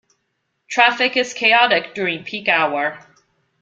Traffic is chaotic during peak hour.